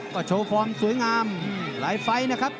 กระโชว์ฟอร์มสวยงามหลายไฟนะครับ